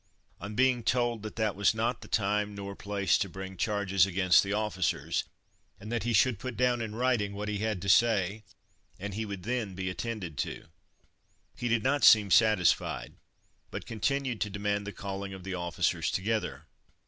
On being told that that was not the time nor place to bring charges against the officers, and that he should put down in writing what he had to say, and he would then be attended to, he did not seem satisfied, but continued to demand the calling of the officers together.